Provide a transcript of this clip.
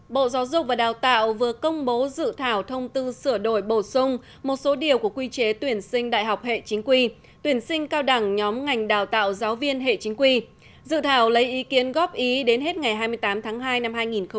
bộ giáo dục và đào tạo vừa công bố dự thảo thông tư sửa đổi bổ sung một số điều của quy chế tuyển sinh đại học hệ chính quy tuyển sinh cao đẳng nhóm ngành đào tạo giáo viên hệ chính quy dự thảo lấy ý kiến góp ý đến hết ngày hai mươi tám tháng hai năm hai nghìn hai mươi